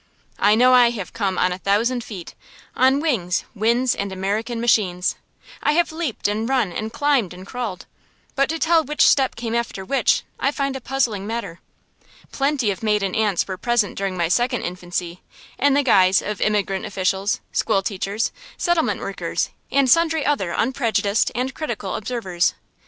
I know I have come on a thousand feet, on wings, winds and American machines, I have leaped and run and climbed and crawled, but to tell which step came after which I find a puzzling matter. Plenty of maiden aunts were present during my second infancy, in the guise of immigrant officials, school teachers, settlement workers, and sundry other unprejudiced and critical observers.